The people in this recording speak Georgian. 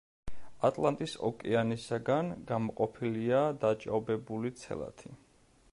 ატლანტის ოკეანისაგან გამოყოფილია დაჭაობებული ცელათი.